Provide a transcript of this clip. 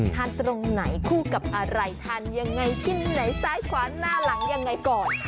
ตรงไหนคู่กับอะไรทานยังไงที่ไหนซ้ายขวานหน้าหลังยังไงก่อน